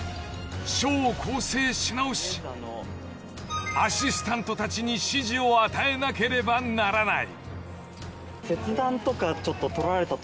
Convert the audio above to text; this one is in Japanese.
［ショーを構成し直しアシスタントたちに指示を与えなければならない］